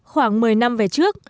khoảng một mươi năm về trước